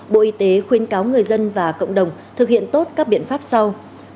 bộ y tế khuyên cáo người dân và cộng đồng thực hiện tốt các biện pháp sau